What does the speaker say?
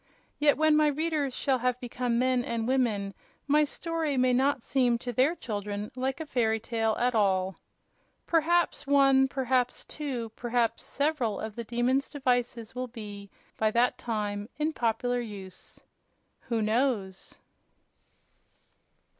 Yet when my readers shall have become men and women my story may not seem to their children like a fairy tale at all. Perhaps one, perhaps two perhaps several of the Demon's devices will be, by that time, in popular use. Who knows?